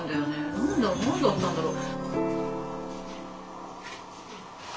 何だったんだろう。